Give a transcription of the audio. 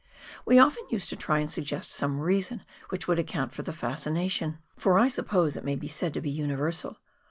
We often used to try and suggest some reason which would account for the fascination, for I suppose it may COOK RIVER — BALFOUR GLACIER. 95 he said to be universal.